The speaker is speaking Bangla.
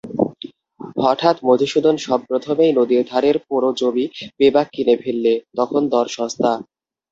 হঠাৎ মধুসূদন সব-প্রথমেই নদীর ধারের পোড়ো জমি বেবাক কিনে ফেললে, তখন দর সস্তা।